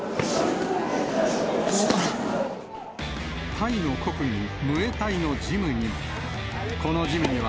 タイの国技、ムエタイのジムにも。